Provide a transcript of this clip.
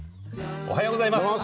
おはようございます。